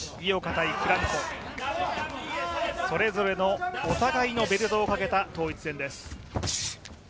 それぞれのお互いのベルトをかけた統一戦です。